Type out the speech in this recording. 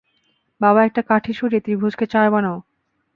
বাবা একটা কাঠি সরিয়ে ত্রিভুজকে চার বানাও।